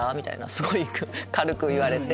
すごい軽く言われて。